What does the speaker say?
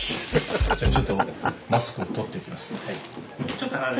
じゃあちょっとマスクを取っていきますね。